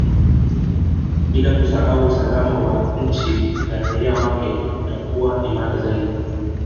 Bila kusahau usalama wa nchi na raia wake utakuwa imara zaidi